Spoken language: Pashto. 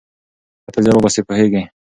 که ته زیار وباسې پوهیږې.